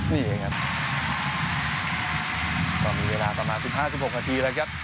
นี่เองครับก็มีเวลาประมาณสิบห้าสิบหกนาทีแล้วครับ